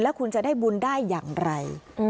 คุณจะได้บุญได้อย่างไร